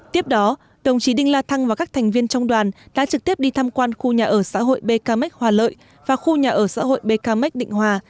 tiếp đó đồng chí đinh la thăng và các thành viên trong đoàn đã trực tiếp đi tham quan khu nhà ở xã hội bkmec hòa lợi và khu nhà ở xã hội bkmec định hòa